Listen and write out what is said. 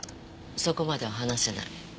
そこまでは話せない。